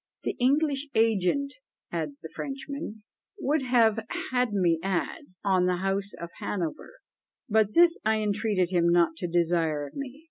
"The English agent," adds the Frenchman, "would have had me add on the house of Hanover, but this I entreated him not to desire of me."